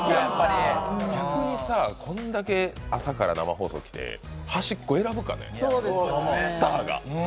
逆にこんだけ朝から生放送来て、端っこ選ぶかね、スターが。